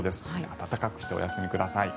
暖かくしてお休みください。